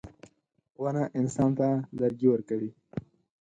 • ونه انسان ته لرګي ورکوي.